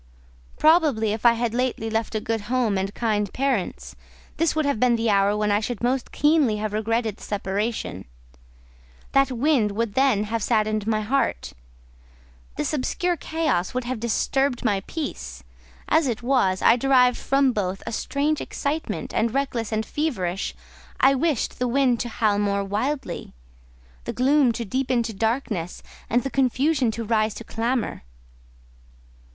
Probably, if I had lately left a good home and kind parents, this would have been the hour when I should most keenly have regretted the separation; that wind would then have saddened my heart; this obscure chaos would have disturbed my peace! as it was, I derived from both a strange excitement, and reckless and feverish, I wished the wind to howl more wildly, the gloom to deepen to darkness, and the confusion to rise to clamour.